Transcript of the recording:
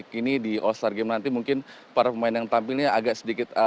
kini di all star game nanti mungkin para pemain yang tampilnya agak sedikit